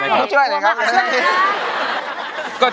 อะไรกัน